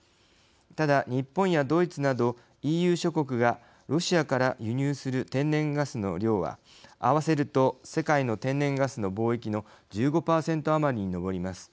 ただ、日本やドイツなどＥＵ諸国がロシアから輸入する天然ガスの量は合わせると世界の天然ガスの貿易の１５％余りに上ります。